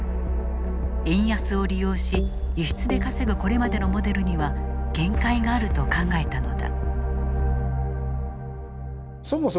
円安を利用し輸出で稼ぐこれまでのモデルには限界があると考えたのだ。